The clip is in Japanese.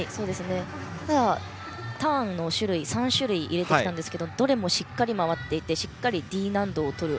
ただ、ターンの種類３種類入れてきたんですけどどれもしっかり回っていてしっかりＤ難度を取る。